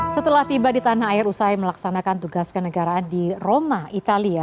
setelah tiba di tanah air usai melaksanakan tugas kenegaraan di roma italia